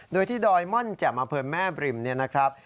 โดยที่ดอยม่อนแจ่มอำเภอแม่บริมเนี่ยนะครับ